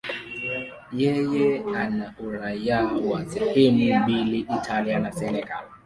Yeye ana uraia wa sehemu mbili, Italia na Senegal.